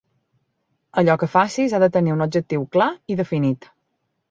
Allò que facis ha de tenir un objectiu clar i definit.